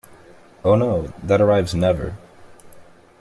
Oh, no, that arrives never.